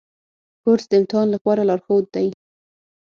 کورس د امتحان لپاره لارښود دی.